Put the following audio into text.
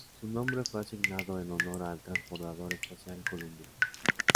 Su nombre fue asignado en honor al transbordador espacial Columbia.